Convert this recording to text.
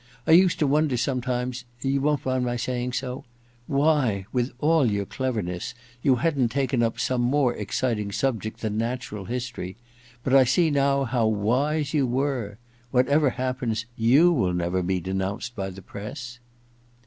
I used to wonder sometimes — you won t mmd my saymg so r — why, with all yovu cleverness, you hadn't taken up some more exciting subject than natural history ; but I sec now how wise you were. Whatever happens, you will never be denounced by the press